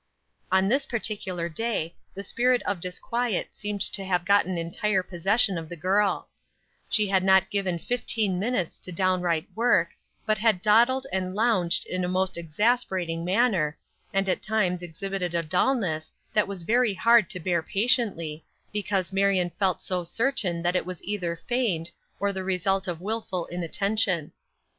On this particular day the spirit of disquiet seemed to have gotten entire possession of the girl; she had not given fifteen minutes to downright work, but had dawdled and lounged in a most exasperating manner, and at times exhibited a dullness that was very hard to bear patiently, because Marion felt so certain that it was either feigned or the result of willful inattention.